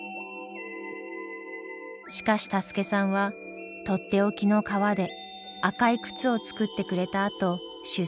しかしタスケさんはとっておきの革で赤い靴を作ってくれたあと出征。